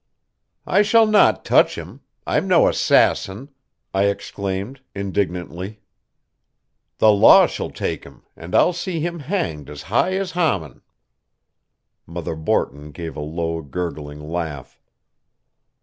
"I shall not touch him. I'm no assassin!" I exclaimed indignantly. "The law shall take him, and I'll see him hanged as high as Haman." Mother Borton gave a low gurgling laugh.